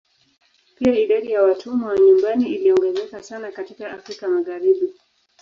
Pia idadi ya watumwa wa nyumbani iliongezeka sana katika Afrika Magharibi.